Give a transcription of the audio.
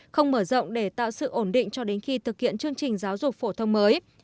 không mở rộng để tạo sự ổn định cho đến khi thực hiện chương trình giáo dục phổ thông mới